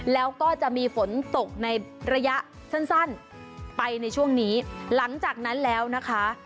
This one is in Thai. แล้วก็จะมีฝนตกในระยะสั้นไปในช่วงนี้หลังจากนั้นแล้วนะคะ